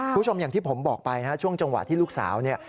คุณผู้ชมอย่างที่ผมบอกไปนะช่วงจังหวะที่ลูกสาวเนี่ย